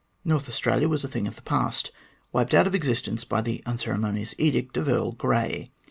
North Australia was a thing of the past wiped out of existence by the unceremonious edict of Earl Grey.